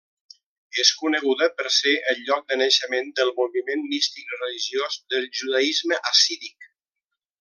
És coneguda per ser el lloc de naixement del moviment místic religiós del judaisme hassídic.